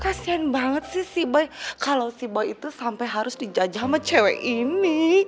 kasian banget sih si by kalau si boy itu sampai harus dijajah sama cewek ini